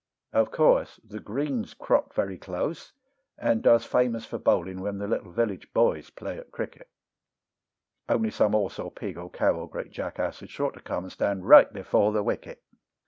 Of course the green's cropt very close, and does famous for bowling when the little village boys play at cricket; Only some horse, or pig, or cow, or great jackass, is sure to come and stand right before the wicket.